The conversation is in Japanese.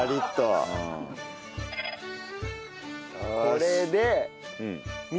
これで。